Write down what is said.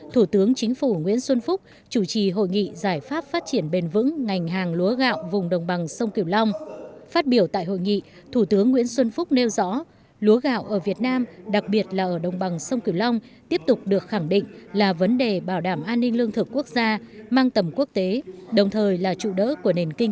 thủ tướng nguyễn xuân phúc thăm việc tại trung tâm nghiên cứu và sản xuất giống định thành